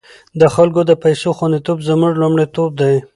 د خلکو د پيسو خوندیتوب زموږ لومړیتوب دی۔